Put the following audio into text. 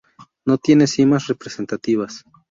No tiene cimas representativas.